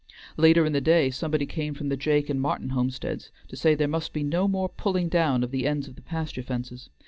Later in the day somebody came from the Jake and Martin homesteads to say that there must be no more pulling down of the ends of the pasture fences.